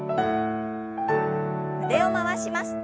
腕を回します。